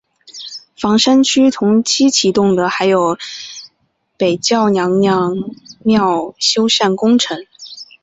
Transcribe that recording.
房山区同期启动的还有北窖娘娘庙修缮工程。